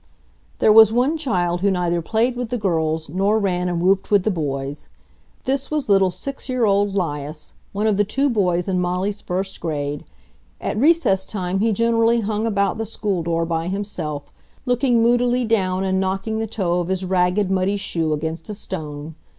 There was one child who neither played with the girls nor ran and whooped with the boys. This was little six year old 'Lias, one of the two boys in Molly's first grade. At recess time he generally hung about the school door by himself, looking moodily down and knocking the toe of his ragged, muddy shoe against a stone.